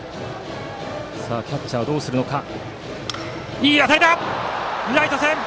いい当たりだ、ライト線！